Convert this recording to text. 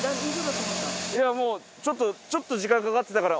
いやもうちょっとちょっと時間かかってたから。